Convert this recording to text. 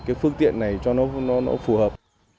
cái tiện này cho nó phù hợp